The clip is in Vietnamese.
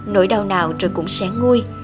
nỗi đau nào rồi cũng sẽ nguôi